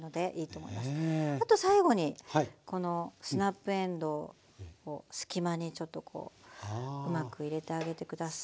あと最後にスナップえんどうを隙間にうまく入れてあげて下さい。